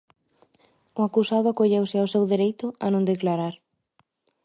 O acusado acolleuse ao seu dereito a non declarar.